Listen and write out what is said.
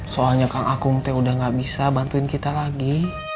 soalnya kang akung teh udah gak bisa bantuin kita lagi